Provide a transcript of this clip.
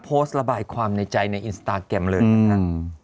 โพสต์ระบายความในใจในอินสตาแกรมเลยนะครับ